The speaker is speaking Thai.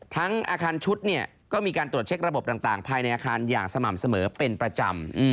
อาคารชุดเนี่ยก็มีการตรวจเช็คระบบต่างภายในอาคารอย่างสม่ำเสมอเป็นประจำ